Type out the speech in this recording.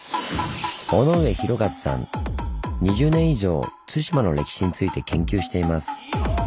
２０年以上対馬の歴史について研究しています。